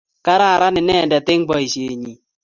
kararan inendet eng' boisienyin.